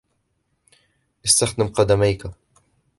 استخدم قدميك.